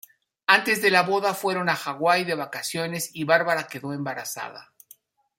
Antes de la boda fueron a Hawái de vacaciones y Barbara quedó embarazada.